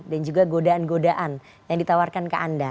dan juga godaan godaan yang ditawarkan ke anda